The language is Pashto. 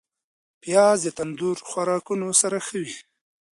پیاز د تندور خوراکونو سره ښه وي